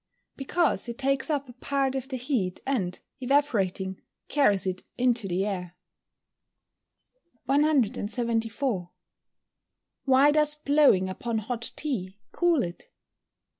_ Because it takes up a part of the heat, and, evaporating, carries it into the air. 174. _Why does blowing upon hot tea cool it?